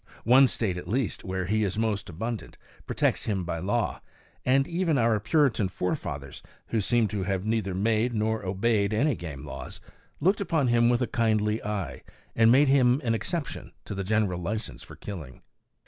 One state, at least, where he is most abundant, protects him by law; and even our Puritan forefathers, who seem to have neither made nor obeyed any game laws, looked upon him with a kindly eye, and made him an exception to the general license for killing.